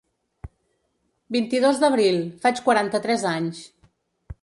Vint-i-dos d'abril, faig quaranta-tres anys.